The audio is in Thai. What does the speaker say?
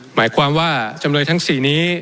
หมายความว่าจำเลยทั้ง๔นี้